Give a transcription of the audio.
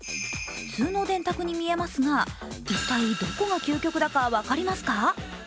普通の電卓に見えますが、一体どこが究極だか分かりますか。